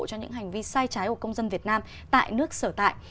trái hộp công dân việt nam tại nước sở tại